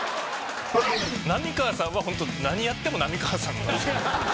浪川さんはホント何やっても浪川さん。